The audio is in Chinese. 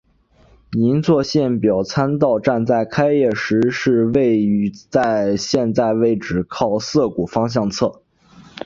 银座线表参道站在开业时是位在现在位置靠涩谷方向侧。